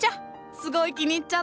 すごい気に入っちゃった！